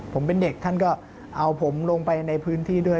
ผมเป็นเด็กท่านก็เอาผมลงไปในพื้นที่ด้วย